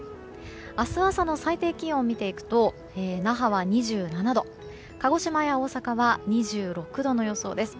明日朝の最低気温を見ると那覇は２７度鹿児島や大阪は２６度の予想です。